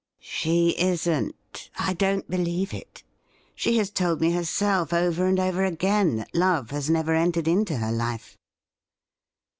' She isn't ; I don't believe it. She has told me herself over and over again that love has never entered into her life.'